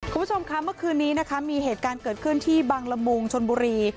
คุณผู้ชมค่ะเมื่อคืนนี้นะคะมีเหตุการณ์เกิดขึ้นที่บังละมุงชนบุรี